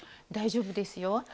大丈夫ですよ。